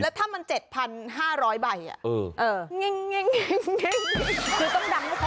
แล้วถ้ามัน๗๕๐๐ใบอ่ะ